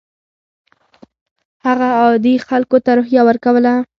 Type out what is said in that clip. هغه عادي خلکو ته روحیه ورکوله.